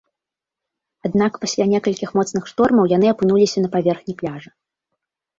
Аднак пасля некалькіх моцных штормаў яны апынуліся на паверхні пляжа.